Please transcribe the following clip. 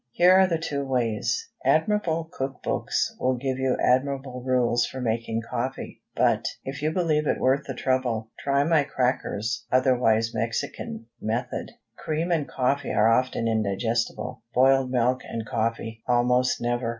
Here are the two ways: Admirable cook books will give you admirable rules for making coffee; but, if you believe it worth the trouble, try my "cracker's," otherwise Mexican, method. Cream and coffee are often indigestible; boiled milk and coffee, almost never.